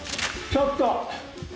ちょっと。